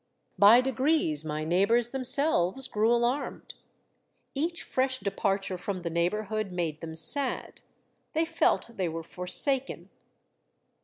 By degrees my neighbors them selves grew alarmed. Each fresh departure from the neighborhood made them sad. They felt they were forsaken.